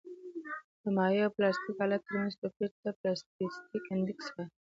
د مایع او پلاستیک حالت ترمنځ توپیر ته پلاستیسیتي انډیکس وایي